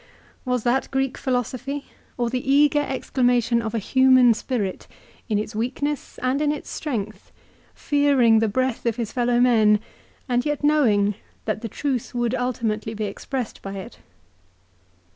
Was that Greek philosophy ; or the eager CICERO'S PHILOSOPHY: 339 exclamation of a human spirit, in its weakness and in its strength, fearing the breath of his fellow men, and yet knowing that the truth would ultimately be expressed by it